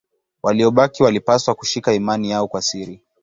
Waliobaki walipaswa kushika imani yao kwa siri.